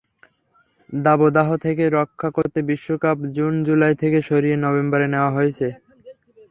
দাবদাহ থেকে রক্ষা করতে বিশ্বকাপ জুন-জুলাই থেকে সরিয়ে নভেম্বরে নেওয়া হয়েছে।